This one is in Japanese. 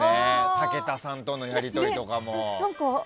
武田さんとのやり取りとかも。